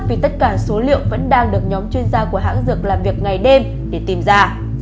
vì tất cả số liệu vẫn đang được nhóm chuyên gia của hãng dược làm việc ngày đêm để tìm ra